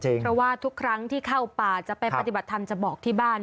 เพราะว่าทุกครั้งที่เข้าป่าจะไปปฏิบัติธรรมจะบอกที่บ้าน